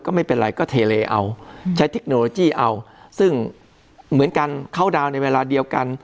ก็ไม่เป็นไรก็เทเลเอาใช้เทคโนโลยีเอาซึ่งเหมือนกันเข้าดาวน์ในเวลาเดียวกัน